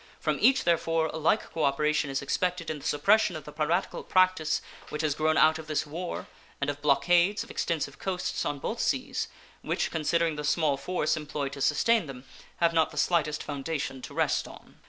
From each, therefore, a like cooperation is expected in the suppression of the piratical practice which has grown out of this war and of blockades of extensive coasts on both seas, which, considering the small force employed to sustain them, have not the slightest foundation to rest on.